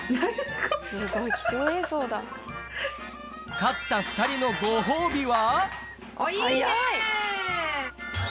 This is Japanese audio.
勝った２人のご褒美は。